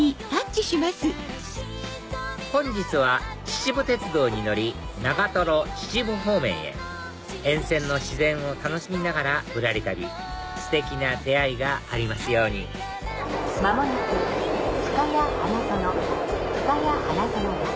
本日は秩父鉄道に乗り長秩父方面へ沿線の自然を楽しみながらぶらり旅ステキな出会いがありますように間もなくふかや花園ふかや花園です。